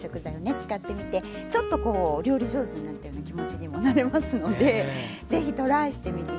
使ってみてちょっとこうお料理上手になったような気持ちにもなれますので是非トライしてみて頂きたいですね。